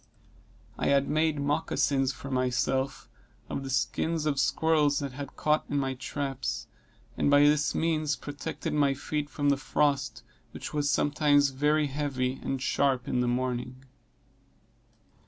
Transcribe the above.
I had made moccasins for myself, of the skins of squirrels that I had caught in my traps, and by this means protected my feet from the frost, which was sometimes very heavy and sharp in the morning.